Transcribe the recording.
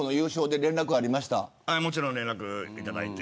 もちろん、連絡いただいて。